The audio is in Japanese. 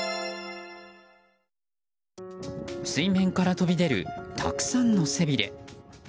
水面から飛び出るたくさんの背びれ。